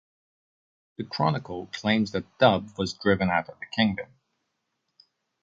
The Chronicle claims that Dub was driven out of the kingdom.